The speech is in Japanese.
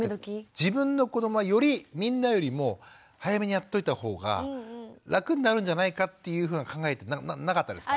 自分の子どもはよりみんなよりも早めにやっておいた方が楽になるんじゃないかというふうな考えなかったですか？